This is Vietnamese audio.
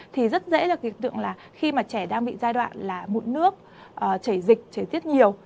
thì rất dễ là hiện tượng là khi mà trẻ đang bị giai đoạn là mụn nước chảy dịch chảy tiết nhiều